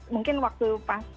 mungkin waktu pas